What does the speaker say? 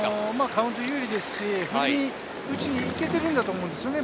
カウント有利ですし、打ちにいけてると思うんですよね。